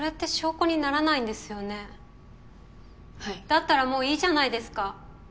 だったらもういいじゃないですか。